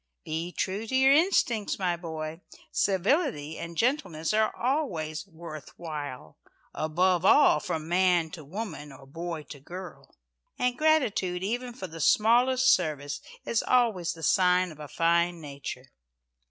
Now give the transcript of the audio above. "Be true to your instincts, my boy. Civility and gentleness are always 'worth while.' Above all, from man to woman, or boy to girl. And gratitude even for the smallest service is always the sign of a fine nature.